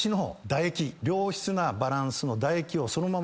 良質なバランスの唾液をそのまま。